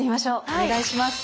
お願いします。